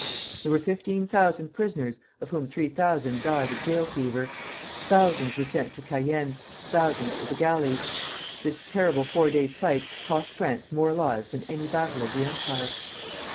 There were fifteen thousand prisoners, of whom three thousand died of jail fever. Thousands were sent to Cayenne; thousands to the galleys. This terrible four days' fight cost France more lives than any battle of the Empire.